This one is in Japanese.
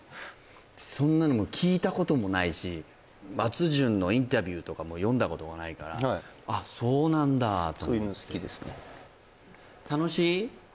そんなのも聞いたこともないし松潤のインタビューとかも読んだこともないからあそうなんだと思ってそういうの好きですねえ